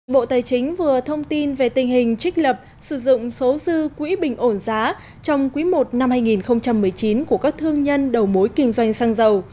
bộ tài chính vừa thông tin về tình hình trích lập sử dụng số dư quỹ bình ổn giá trong quý i năm hai nghìn một mươi chín của các thương nhân đầu mối kinh doanh xăng dầu